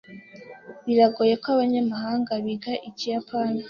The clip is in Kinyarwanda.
Biragoye ko abanyamahanga biga ikiyapani.